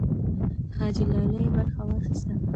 حاجي لالی برخه واخیسته.